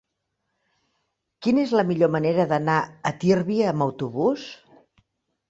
Quina és la millor manera d'anar a Tírvia amb autobús?